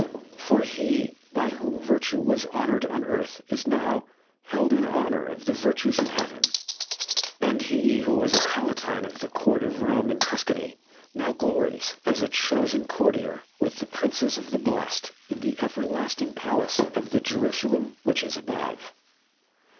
For he, by whom virtue was honoured on earth, is now held in honour of the Virtues in heaven ; and he who was a Palatine of the Court of Rome in Tuscany now glories as a chosen courtier with the princes of the Blest in the everlasting palace of the Jerusalem which is above.